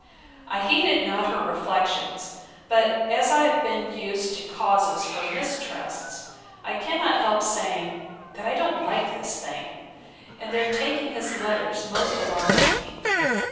I heeded not her reflections; but as I have been used to causes for mistrusts, I cannot help saying, that I don't like this thing: And their taking his letters most alarms me.